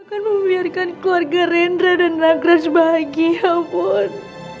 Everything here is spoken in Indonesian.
akan membiarkan keluarga rendra dan ragras bahagia pun